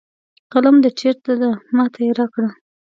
قلم د چېرته ده ما ته یې راکړه